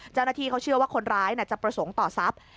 เจ้าหน้าที่เขาเชื่อว่าคนร้ายจะประสงค์ต่อทรัพย์